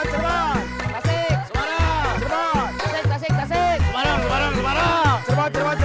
kasih kasih kasih semarang semarang semarang semarang